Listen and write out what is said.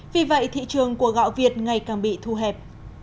vì vậy thị trường của gạo việt ngày càng bị thu hẹp